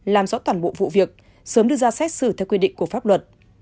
làm rõ toàn bộ vụ việc sớm đưa ra xét xử theo quy định của pháp luật